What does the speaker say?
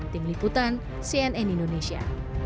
tim liputan cnn indonesia